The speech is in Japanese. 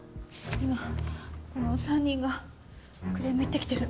今この３人がクレーム言ってきてる。